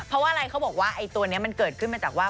เพราะว่าอะไรเขาบอกว่าไอ้ตัวนี้มันเกิดขึ้นมาจากว่า